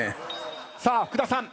さあ福田さん。